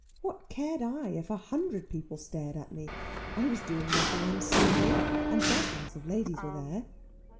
What cared I, if a hundred people stared at me? I was doing nothing unseemly, and dozens of ladies were there.